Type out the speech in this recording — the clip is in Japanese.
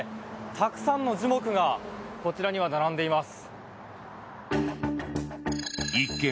たくさんの樹木がこちらには並んでいます。